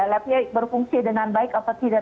lab nya berfungsi dengan baik atau tidak